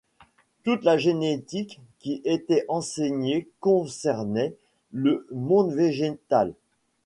Toute la génétique qui était enseignée concernait le monde végétal.